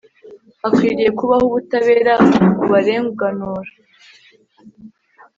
hakwiriye kubaho ubutabera bubarenganura